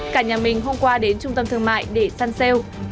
cả nhà mình hôm qua đến trung tâm thương mại để săn sale